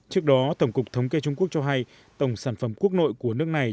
trước đó tổng cục thống kê trung quốc cho hay tổng sản phẩm quốc nội của nước này